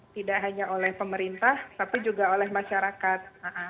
tidak hanya oleh pemerintah tapi juga oleh masyarakat